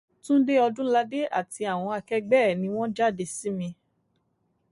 Túndé Ọdúnladé àti àwọn akẹ́gbé ẹ̀ ni wọ́n jáde sí mi